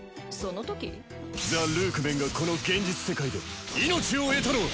ザ・ルークメンがこの現実世界で命を得たのは！